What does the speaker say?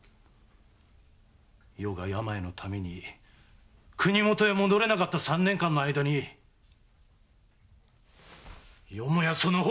余が病のために国元に戻れなかった三年間の間によもやその方！